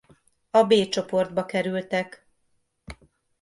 A B csoportba kerültek.